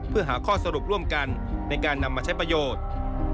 เพื่อหาข้อสรุปร่วมกันในการนำมาใช้ประโยชน์